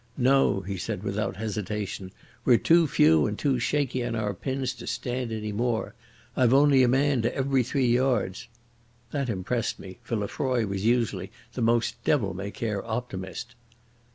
"No," he said without hesitation. "We're too few and too shaky on our pins to stand any more. I've only a man to every three yards." That impressed me, for Lefroy was usually the most devil may care optimist.